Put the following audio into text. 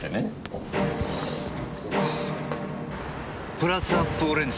「プラス・アップ・オレンジ」